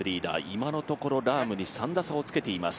今のところ３打差をつけています